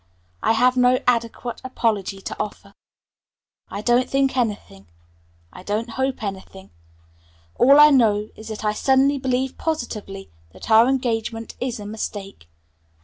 I have no adequate apology to offer. I don't think anything. I don't hope anything. All I know is that I suddenly believe positively that our engagement is a mistake.